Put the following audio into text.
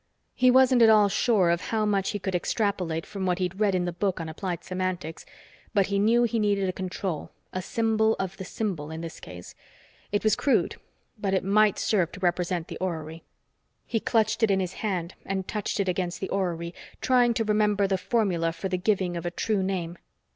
He wasn't at all sure of how much he could extrapolate from what he'd read in the book on Applied Semantics, but he knew he needed a control a symbol of the symbol, in this case. It was crude, but it might serve to represent the orrery. He clutched it in his hand and touched it against the orrery, trying to remember the formula for the giving of a true name.